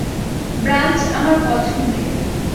Branch আমার পছন্দের।